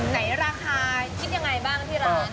ไหนราคาคิดยังไงบ้างที่ร้าน